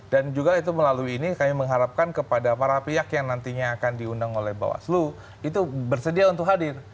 dan juga itu melalui ini kami mengharapkan kepada para pihak yang nantinya akan diundang oleh bawaslu itu bersedia untuk hadir